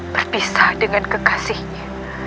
berpisah dengan kekasihnya